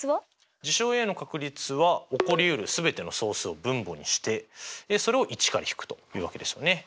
事象Ａの確率は起こりうる全ての総数を分母にしてそれを１から引くというわけですよね。